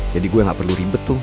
jadi gue gak perlu ribet tuh